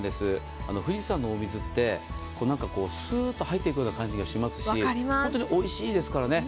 富士山のお水ってすーっと入っていくような感じがしますしおいしいですからね。